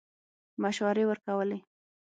مشورې ورکولې.